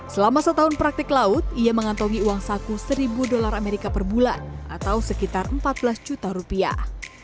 selama setahun praktik laut ia mengantongi uang saku seribu dolar amerika per bulan atau sekitar empat belas juta rupiah